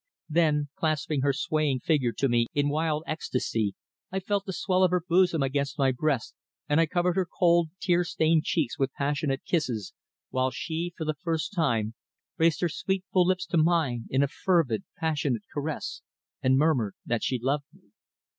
Then, clasping her swaying figure to me in wild ecstasy, I felt the swell of her bosom against my breast, and I covered her cold, tear stained cheeks with passionate kisses, while she, for the first time, raised her sweet full lips to mine in a fervid, passionate caress, and murmured that she loved me.